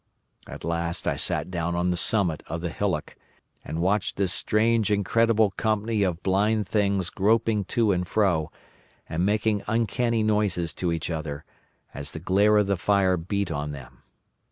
"At last I sat down on the summit of the hillock, and watched this strange incredible company of blind things groping to and fro, and making uncanny noises to each other, as the glare of the fire beat on them.